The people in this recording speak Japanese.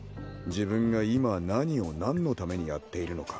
自分が今何を何のためにやっているのか。